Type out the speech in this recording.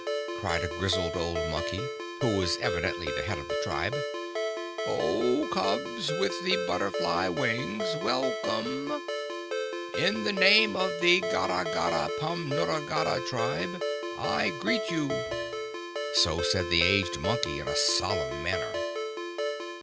cried a grizzled old Monkey, who was evidently the head of the tribe. "O cubs with the butterfly wings! Welcome! In the name of the Garra garra pom nutta garra Tribe, I greet you!" So said the aged Monkey, in a solemn manner.